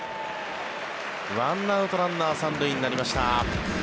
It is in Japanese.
１アウト、ランナー３塁になりました。